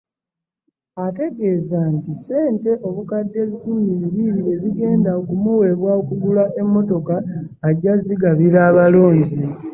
Ategeeza nti, ssente obukadde ebikumi bibiri ezigenda okumuweebwa okugula emmotoka ajja zigabira abalonzi.